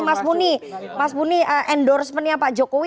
mas muni endorsementnya pak jokowi